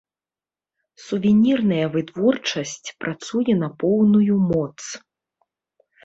Сувенірная вытворчасць працуе на поўную моц.